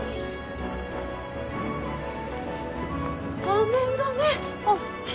ごめんごめん。